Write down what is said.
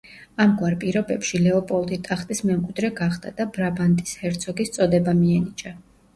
ამგვარ პირობებში, ლეოპოლდი ტახტის მემკვიდრე გახდა და ბრაბანტის ჰერცოგის წოდება მიენიჭა.